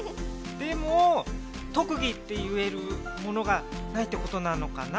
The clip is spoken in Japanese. でも特技って言えるものがないってことなのかな？